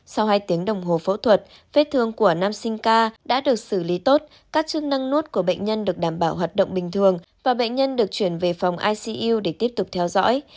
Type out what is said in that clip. sau hai tiếng đồng hồ phẫu thuật vết thương của nam sinh ca đã được xử lý tốt các chức năng nốt của bệnh nhân được đảm bảo hoạt động bình thường và bệnh nhân được chuyển về phòng icu để tiếp tục theo dõi